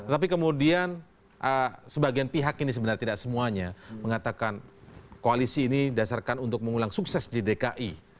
tapi kemudian sebagian pihak ini sebenarnya tidak semuanya mengatakan koalisi ini dasarkan untuk mengulang sukses di dki